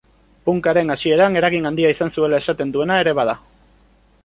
Punkaren hasieran eragin handia izan zuela esaten duena ere bada.